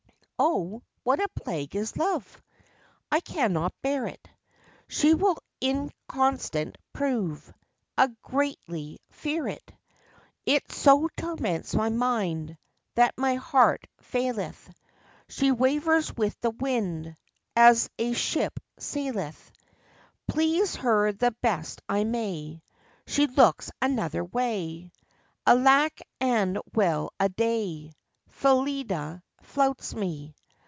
Oh, what a plague is love! I cannot bear it, She will inconstant prove, I greatly fear it; It so torments my mind, That my heart faileth, She wavers with the wind, As a ship saileth; Please her the best I may, She looks another way; Alack and well a day! Phillida flouts me.